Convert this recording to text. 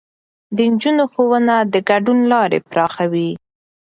د نجونو ښوونه د ګډون لارې پراخوي.